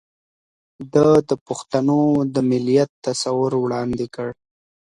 ده د پښتنو د مليت تصور وړاندې کړ